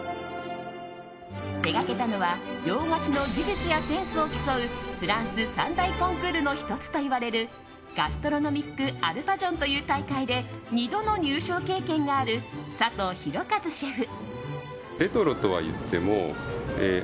手がけたのは洋菓子の技術やセンスを競うフランス三大コンクールの１つといわれるガストロノミック・アルパジョンという大会で２度の入賞経験がある佐藤浩一シェフ。